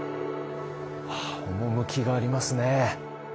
趣がありますね。